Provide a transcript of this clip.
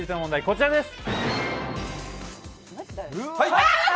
こちらです。